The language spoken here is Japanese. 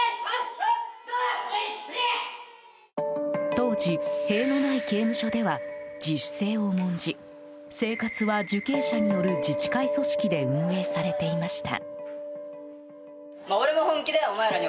当時、塀のない刑務所では自主性を重んじ生活は受刑者による自治会組織で運営されていました。